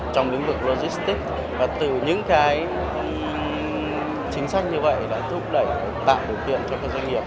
trong lĩnh vực logistics và từ những cái chính sách như vậy đã thúc đẩy tạo được tiền cho doanh nghiệp